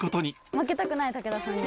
負けたくない武田さんに。